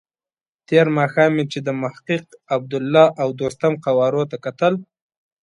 تېر ماښام مې چې د محقق، عبدالله او دوستم قوارو ته کتل.